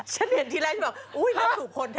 ฉันเห็นที่แรกอุ๊ยแล้วถูกผ่น